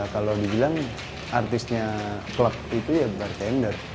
kalau dibilang artisnya club itu ya bartender